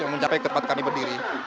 mencapai ke tempat kami berdiri